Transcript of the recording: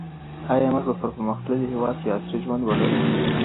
ایا موږ به په پرمختللي هېواد کي عصري ژوند ولرو؟